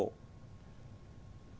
nghị quyết số bốn nqtvk